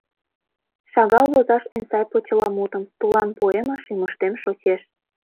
Шагал возаш эн сай почеламутым — Тулан поэма шӱмыштем шочеш.